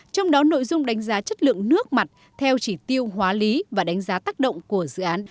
trong đó nội dung đánh giá chất lượng nước mặt theo chỉ tiêu hóa lý và đánh giá tác động của dự án